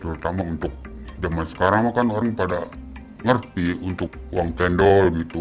terutama untuk zaman sekarang kan orang pada ngerti untuk uang cendol gitu